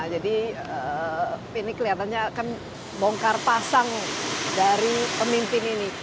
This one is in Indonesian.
jadi ini kelihatannya akan bongkar pasang dari pemimpin ini